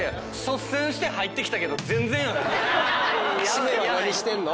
しめは何してんの？